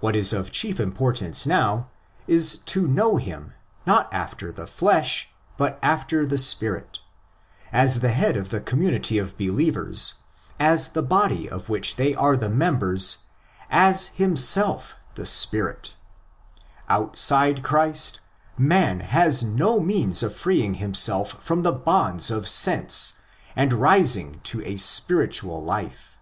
What is of chief importance now is to know him not after the flesh, but after the spirit ; as the head of the com munity of believers, as the body of which they are the members, as himself the Spirit (6 δὲ κύριος τὸ πνεῦμά ἐστιν, 2 Cor. ili. 17). Outside Christ, man has no means of freeing himself from the bonds of sense and rising to a "' spiritual "' life.